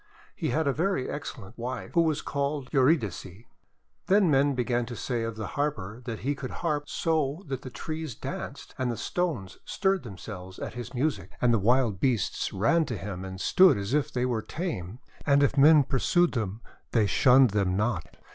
He had a very excellent wife, who was called Eurydice. Then men began to say of the Harper that he could harp so that the trees danced, and the stones stirred themselves at his music. And the wild beasts ran to him and stood as if they were tame; and if men pursued them, they shunned them not.